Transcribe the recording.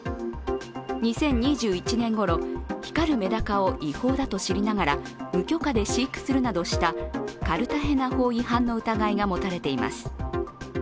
２０２１年頃、光るメダカを違法だと知りながら無許可で飼育するなどしたカルタヘナ法違反の疑いが持たれています。